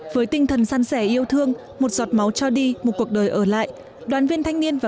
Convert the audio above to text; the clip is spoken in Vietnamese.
với tinh thần san sẻ yêu thương một giọt máu cho đi một cuộc đời ở lại đoàn viên thanh niên và